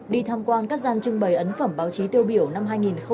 đi tham quan các gian trưng bày ấn phẩm báo chí tiêu biểu năm hai nghìn hai mươi hai